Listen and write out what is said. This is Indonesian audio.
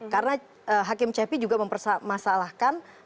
karena hakim cepi juga mempermasalahkan alat bukti